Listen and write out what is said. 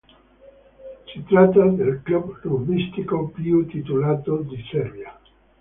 Si tratta del club rugbistico più titolato di Serbia.